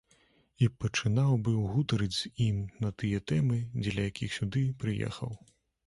І пачынаў быў гутарыць з ім на тыя тэмы, дзеля якіх сюды прыехаў.